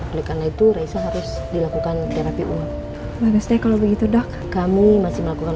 oleh karena itu raih harus dilakukan terapi uap manusia kalau begitu dok kami masih melakukan